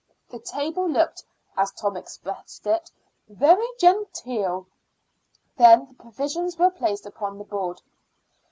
The table looked, as Tom expressed it, "very genteel." Then the provisions were placed upon the board.